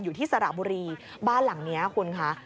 อยู่ที่สระบุรีบ้านหลังนี้คุณคะ